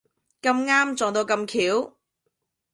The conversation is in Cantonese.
咁啱撞到咁巧